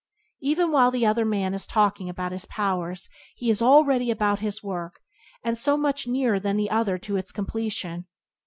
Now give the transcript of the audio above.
Even while the other man is talking about his powers he is already about his work, and is so much nearer than the other to its completion.